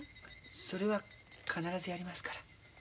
それは必ずやりますから。